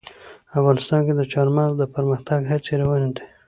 افغانستان کې د چار مغز د پرمختګ هڅې روانې دي.